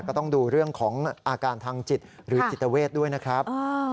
ก็ต้องดูเรื่องของอาการทางจิตหรือจิตเวทด้วยนะครับ